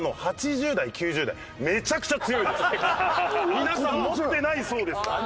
皆さん持ってない層ですから。